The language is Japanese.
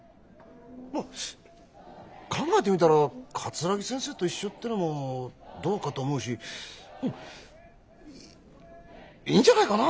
まっ考えてみたら桂木先生と一緒っていうのもどうかと思うしいいいんじゃないかな。